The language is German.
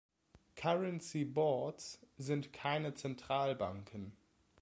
Currency Boards sind keine Zentralbanken.